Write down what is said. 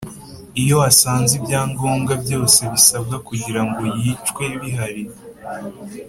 Iyo asanze ibyangombwa byose bisabwa kugira ngo yicwe bihari